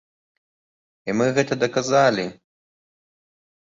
І мы гэта даказалі!